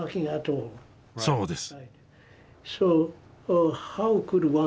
そうです。